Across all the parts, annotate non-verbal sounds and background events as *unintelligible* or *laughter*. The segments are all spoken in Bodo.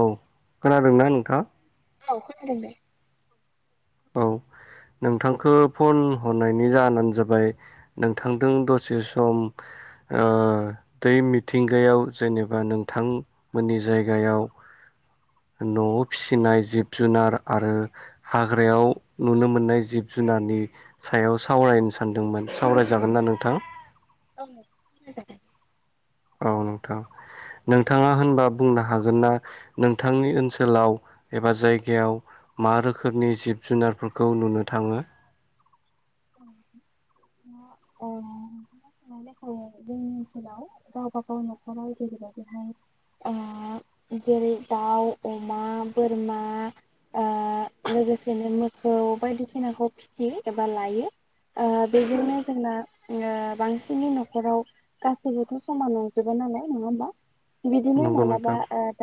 औ खोनादोंना नोंथां औ खोनदों औ नोंथांखौ फन हरनायनि जाहोनानो जाबाय नोंथांजों दसे सम ओ दै मिथिंगायाव जेनेबा नोंथांमोननि जायगायाव नआव फिसिनाय जिब जुनार आरो हाग्रायाव नुनो मोननाय जिब जुनार नि सायाव सावरायनो सानदोंमोन सावरायजागोन ना नोंथां औ औ नोंथां नोंथाङा होनबा बुंनो हागोन ना नोंथांनि ओनसोलाव एबा जायगायाव मा रोखोमनि जिब जुनारफोरखौ नुनो थाङो अ ओ जोंनि ओनसोलाव गावबा गाव नखराव जेरैबायदिहाय जेरै दाउ अमा बोरमा ओ लोगोसेनो मोसौ बायदिसिनाखौ फिसियो एबा लायो ओ बेजोंनो जोंना बांसिनै नखराव गासैबोथ समान नंङा जोबोबा नालाय नङा होमबा बिदिनो नंगौ नोंथां मालाबा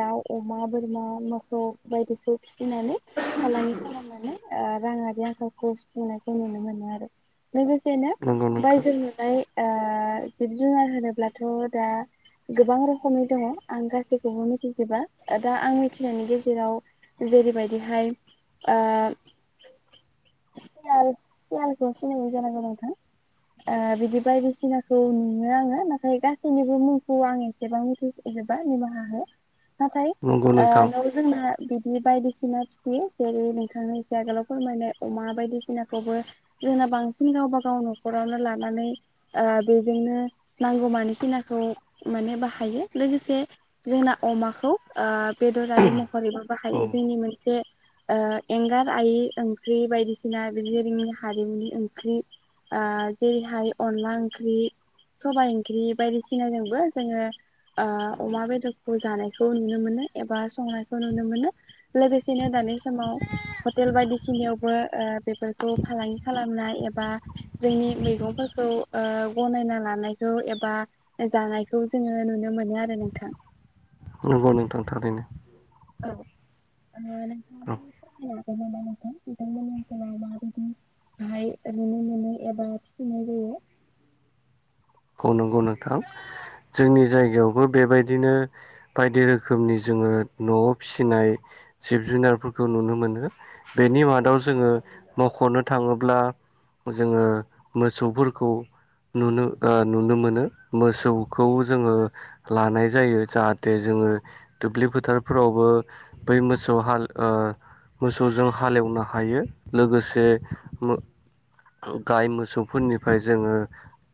दाउ अमा बोरमा मोसौ बायदिसि फिसिनानै फालांगि खालामनानै ओ राङारि आंखालखौ सुफुंनायखौ नुनो मोनो आरो लोगोसेनो नंगौ नोंथां बायजो नुनाय *inaudible* बि जुनार होनोब्लाथ' दा। गोबां रोखोमै दङ आं गासैखौबो मिथिजोबा दा आं मिथिनायनि गेजेराव। जेरैबायदिहाय ओ *unintelligible* दसिम जानांगौ नोंथां बिदि बायदिसिनाखौ नु आङो नाथाय गासैनिबो मुंखौ आं एसेबां मिथि निमाहा हो नाथाय नंगौ नोंथां न' जोंना नि बायदिसिना फिसि जेरै नोंथांनो एसे आगोलाव फोरमायनाय अमा बायदिसिनाखौबो जोंना बांसिन गावबा गाव न'खरावनो लानानै बेजोंनो नांगौ मानि खिनाखौ माने बाहायो लोगोसे जोंना अमाखौ ओ बेदरारि महरैबो औ बाहायो जोंनि मोनसे एंगार आइ ओंख्रि बायदिसिना बि हारिमुनि ओंख्रि ओ जेरैहाय अनला ओंख्रि। सबाइ ओंख्रि बायदिसिनाजोंबो जोङो। ओ अमा बेदरखौ जानायखौ नुनो मोनो एबा संनायखौ नुनो मोनो। लोगोसेनो दानि समाव हटेल बायदिसिनाययावबो ओ बेफोरखौ फालांगि खालामनाय एबा जोंनि मैगंफोरखौ ओ गनायना लानायखौ एबा जानायखौ जोङो नुनो मोनो आरो नोंथां। नंगौ नोंथां थारैनो। औ आ *unintelligible* औ *unintelligible* बेहाय ओरैनो मोनै एबा फिसिनाय जायो। औ नंगौ नोंथां जोंनि जायगायावबो बेबाय दिनो बायदि रोखोमनि जोङो न'आव फिसिनाय जिब जुनारफोरखौ नुनो मोनो। बेनि मादाव जोङो मख'नो थाङोब्ला जोङो मोसौफोरखौ नुनो ओ नुनो मोनो मोसौखौ जोङो लानाय जायो जाहाथे जोङो दुब्लि फोथारफ्रावबो बै मोसौ हाल ओ मोसौजों हालेवनो हायो लोगोसे गाय मोसौफोरनिफ्राय जोङो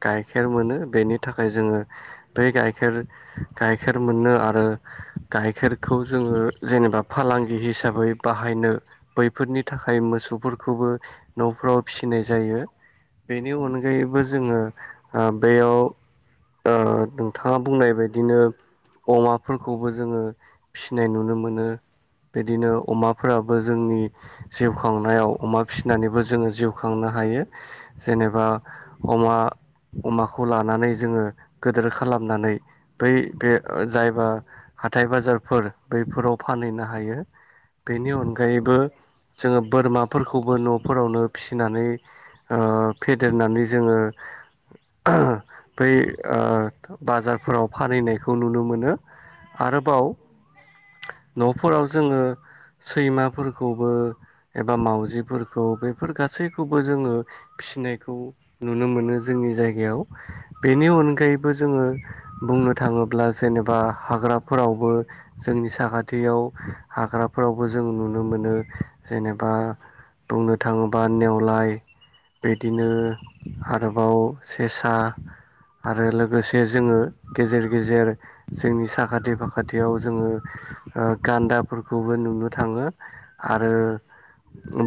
गाय गाइखेर मोनो बेनि थाखाय जोङो बे गाइखेर गाइखेर मोनो आरो। गाइखेरखौ जोङो जेनेबा फालांगि हिसाबै बाहायनो बैफोरनि थाखाय मोसौ। गसौफोरखौबो न'फ्राव फिसिनाय जायो बेनि अनगायैबो जोङो ओ बेयाव ओ नोंथाङा बुंनाय बायदिनो अमाफोरखौबो जोङो फिनाय नुनो मोनो बिदिनो अमाफोराबो। जोंनि जिउ खांनायाव अमा फिसिनानैबो जोङो जिउ खांनो हायो जेनेबा। अमा। अमाखौ लानानै जोङो गिदोर खालामनानै बै बे जायबा हाथाय बाजारफोर बैफोराव फानहैनो हायो। बेनि अनगायैबो जोङो बोरमाफोरखौबो न'फोरावनो फिसिनानै ओ ओ फेदेरनानै जोङो बै ओ बाजारफोराव फानहैनायखौ नुनो मोनो। आरोबाव न'फोराव जोङो सैमाफोरखौबो एबा मावउजिफोरखौ बेफोर गासैखौबो जोङो। फिनायखौ नुनो मोनो। जोंनि जायायाव बेनि अनगायैबो जोङो बुंनो थाङोब्ला जेनेबा हाग्रा हाग्राफोरावबो जोंनि साखाथियाव हाग्राफोरावबो जों नुनो मोनो जे जेनेबा बुंनो थाङोबा नेवलाय बिदिनो आरो बाव सेसा। आरो लोगोसे जोङो गेजेर गेजेर जोंनि साखाथि फाखाथियाव जोङो। गान्दाफोरखौबो नुनो थाङो आरो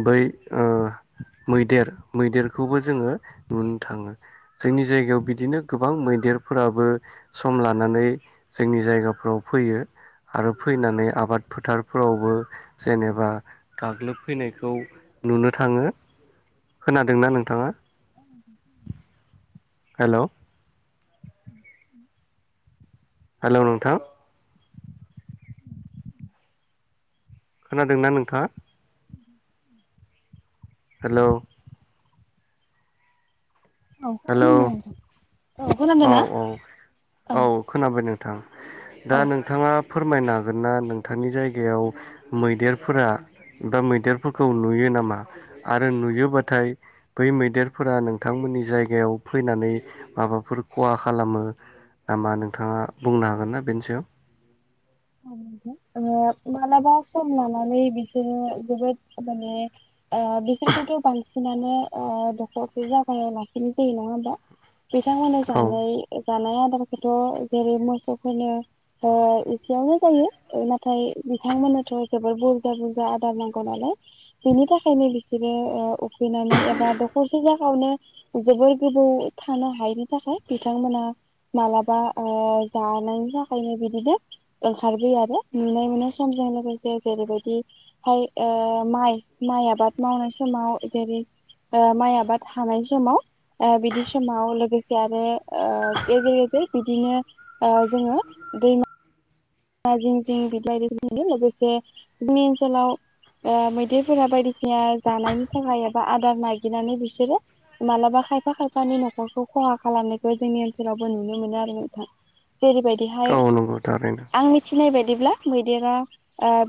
बै मैदेर मैदेरखौबो जोङो। जोंनि जायगायाव बिदिनो गोबां मैदेरफोराबो सम लानानै जोंनि। जायगाफ्राव फैयो आरो फैनानै आबाद फोथारफोरावबो जेनेबा गाग्लोबफैनायखौ नुनो थाङो खोनादोंना नोंथाङा। उम हेल' उम हेलौ नोंथां खोनादोंना नोंथाङा? हेल' औ हेलौ खोनादों औ ना? औ औ खोनाबाय नोंथां दा औ नोंथाङा? फोरमायनो हागोन ना नोंथांनि जायगायाव मैदेरफोरा मैदेरफोरखौ नुयो नामा आरो नुयोबाथाय बै मैदेरफोरा नोंथांमोन। नि जायगायाव फैनानै माबाफोरखौ खहा खालामो नामा नोंथाङा बुंनो हागोन ना बेनि सायाव। मालाबा समब लानानै बिसोरो जोबोद माने बेसोरखौथ' बांसिनानो दखरखौ जागाय लाखिनाय जायो नङा होमबा? बिथांमोननो औ जानाय जानाय आदारखौथ' जेरै मोसौफोरनो। जायो नाथाय बिथांमोननोथ' जबोर बुरजा बुरजा आदार नांगौ नालाय बिनि थाखायनो बिसोरो उखैनानै एबा दखरसे जायावनो जोबोर गोबाव नो हायिनि थाखाय बिथांमोना मालाबा जानायनि थाखायनो बिदिनो ओंखारबोयो आरो नुनाय मोननाय समजों लोगोसे जेरैबायदिहाय माइ माइ आबाद मावनाय समाव जेरै माइ आबाद हानाय समाव बिदि समाव लोगोसे आरो गेजेर गेजेर बिदिनो जोङो दैमा मा जिं जिं बिलाफोरो लोगोसे जोंनि ओनसोलाव मैदेरफोरा बायदिसिना जानायनि थाखाय एबा आदार नागिरनानै बिसोरो मालाबा खायफा खायफानि न'खरखौ खहा खालामनायखौ जोंनि ओनसोलावबो नुनो मोनो आरो बिथां। जेरैबायदिहाय औ नंगौ थारैनो आं मिथिनाय बायदिब्ला। मैदेरा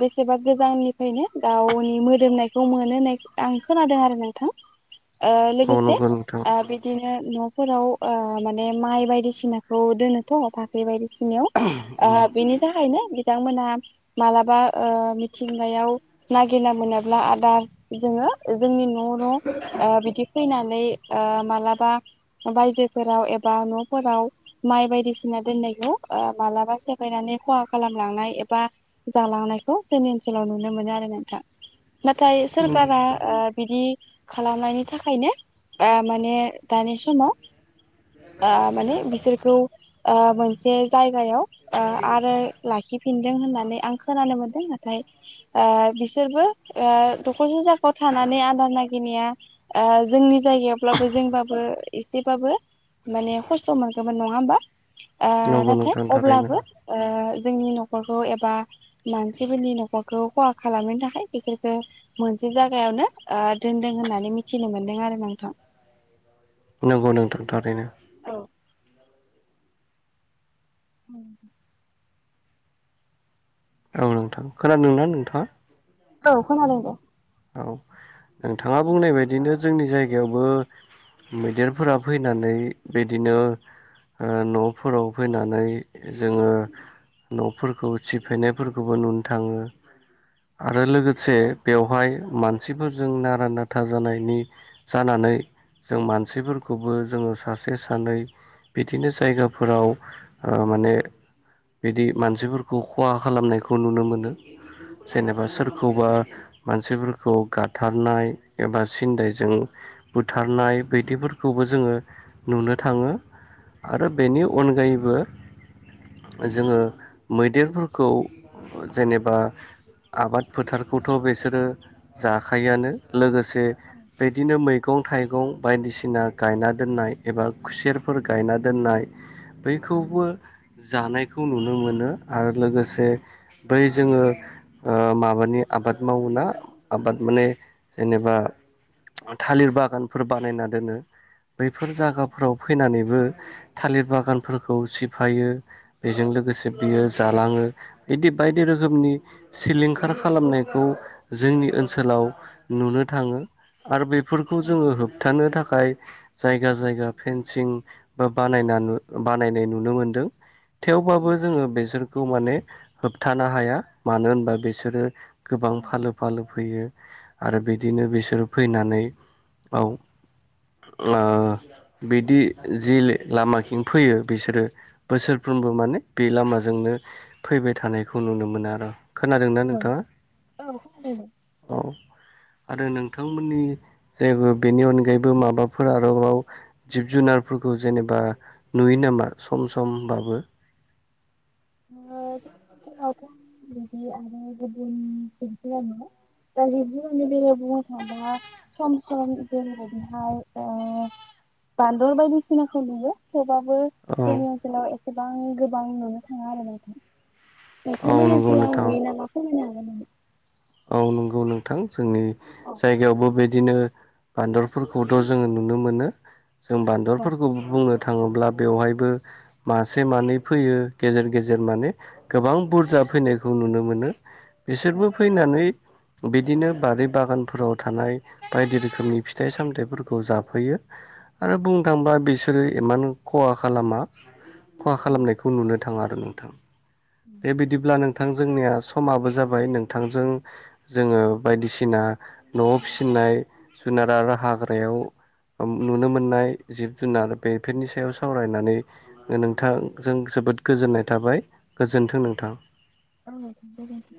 बेसेबा गोजाननिफ्रायनो गावनि मोदोमनायखौ मोनो होननाय आंखौ। खोनादों आरो नोंथां औ लोगोसे नंगौ नोंथां बिदिनो न'। फोराव माने माइ बायदिसिनाखौ दोनोथ' थाखै बायदिसिनायाव। बेनि थाखायनो बिथांमोना मालाबा मिथिंगायाव नागिरना मोनाब्ला आदार जोङो। जोंनि न न बिदि फैनानै मालाबा बायजोफोराव एबा न'फोराव माइ बायदिसिना दोननायखौ मालाबा फैनानै खहा खालामलांनाय एबा जालांनायखौ जोंनि ओनसोलाव नुनो मोनो आरो नोंथां नाथाय सोरखारा बिदि खालामनायनि थाखायनो माने दानि समाव माने बिसोरखौ मोनसे जायगायाव आरो लाखिफिनदों होननानै आं खोनानो मोन्दों नाथाय बिसोरबो दखरसे जाखायाव थानानै आदार नागिरनाया जोंनि जायगायावब्लाबो जोंबाबो एसेबाबो माने खस्थ' मोनगौमोन नङा होमबा नंगौ नाथाय नोंथां थारैनो अब्लाबो जोंनि न'खरखौ एबा मानसिफोरनि न'खरखौ खहा खालामनो थाखाय बिसोरसो। मोनसे जायगायावनो दोनदों होननानै मिथिनो मोनदों आरो नोंथां। नंगौ नोंथां थारैनो औ औ औ नोंथां खोनादोंना नोंथाङा औ खोनादों दे औ नोंथाङा बुंनाय बायदिनो जोंनि जायगायावबो मैदेरफोरा फैनानै बिदिनो ओ नफोराव फैनानै जोङो नफोरखौ सिफायनायफोरखौबो नुनो थाङो आरो लोगोसे औ बेवहाय मानसिफोरजों नारा नाथा जानायनि जानानै जों मानसिफोरखौबो जोङो सासे सानै बिदिनो जायगाफोराव ओ माने बिदि मानसिफोरखौ खहा खालामनायखौ नुनो मोनो औ जेनेबा सोरखौबा मानसिफोरखौ खौ गाथारनाय एबा सिन्दायजों बुथारनाय बायदिफोरखौबो जोङो नुनो थाङो आरो बेनि अनगायैबो जोङो मैदेरफोरखौ जेनेबा आबाद फोथारखौथ बिसोरो जाखायोआनो लोगोसे बिदिनो मै मैगं थाइगं बायदिसिना गायना दोननाय एबा खुसेरफोर गायना दोननाय बै खौबो जानायखौ नुनो मोनो आरो लोगोसे बै जोङो ओ माबानि आबाद मावोना आबाद माने जेनेबा थालिर बागानफोर बानायना दोनो। बैफोर जागाफोराव फैनानैबो थालिर बागानफोरखौ सिफायो बेजों लोगोसे बियो जालाङो बिदि बायदि रोखोमनि सिलिंखार खालामनायखौ जोंनि ओनसोलाव नुनो थाङो आरो बेफोरखौ जोङो होबथानो थाखाय जायगा जायगा फेनसिं बा बानायना नु बानायनाय नुनो मोनदों थेवबाबो जोङो बेसोरखौ माने होबथानो हाया मानो होनबा बिसोरो गोबां फालो फालो यो आरो बिदिनो बिसोर फैनानै बाव *unintelligible* बिदि जि लामाथिं फैयो बिसोरो बोसोरफ्रोमबो माने बे लामाजोंनो फैबाय थानायखौ नुनो मोनो आरो खोनादोंना औ नोंथाङा औ खोनादों औ आरो नोंथांमोननि जेयबा बेनि अनगायैबो माबाफोर आरोबाव जिब जुनार फोरखौ जेनेबा नुयो नामा सम समबाबो *unintelligible* आरो *unintelligible* सम सम जेरैबायदि हाय बानदर बायदिसिनाखौ नुयो थेव बाबो औ जोंनि ओनसोलाव एसेबां गोबां नुनो थाङा आरो नोंथां औ नोंथांमोननि नंगौ ओनसोलाव नोंथां नुयो नामा फोरमायनो हागोन नामा औ नंगौ नोंथां जोंनि औ जायगायावबो बे बिदिनो बान्दरफोरखौथ जोङो नुनो मोनो जों बान्दरफोरखौ बुंनो थाङोब्ला बेवहायबो मासे मानै फैयो गेजेर गेजेर माने गोबां बुरजा फैनायखौ नुनो मोनो औ बिसोरबो *unintelligible* बिदिनो बारि बागानफोराव थानाय बायदि रोखोमनि फिथाइ सामथाइफोरखौ जाफैयो आरो बुंनो थांबा बिसोरो इमान खहा खालामा खहा खालामनायखौ नुनो थाङा आरो नोंथां बेबायदिब्ला नों थां जोंनिया समाबो जाबाय नोंथांजों जोङो बायदिसिना नआव फिसिनो नाय जुनार आरो हाग्रायाव नुनो मोननाय जिब जुनार बेफोरनि सायाव सावरायनानै नोंथांजों सो बोद गोजोननाय थाबाय गोजोन्थों नोंथां औ गोजोनथों